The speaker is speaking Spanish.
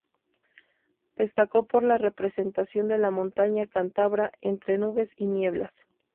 Destacó por la representación de la montaña cántabra entre nubes y nieblas.